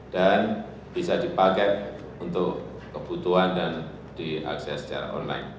dan bisa dipaket untuk kebutuhan dan diakses secara online